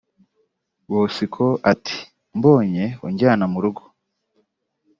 Bosiko ati “Mbonye unjyana mu rugo